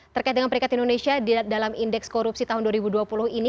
terkait dengan peringkat indonesia dalam indeks korupsi tahun dua ribu dua puluh ini